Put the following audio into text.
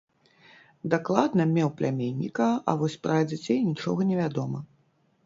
Дакладна меў пляменніка, а вось пра дзяцей нічога невядома.